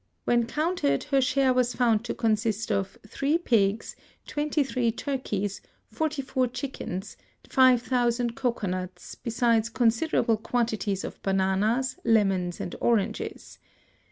When counted, her share was found to consist of three pigs, twenty three turkeys, forty four chickens, five thousand cocoanuts, besides considerable quantities of bananas, lemons, and oranges.